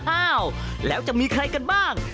อ้าวแล้วจะมีใครกันบ้าง